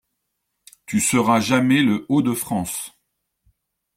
Tu seras jamais Le-Haut-de-France.